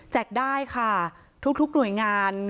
แจกได้ค่ะทุกหนุ่ยงาน